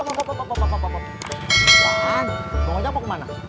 man bang ojak mau ke mana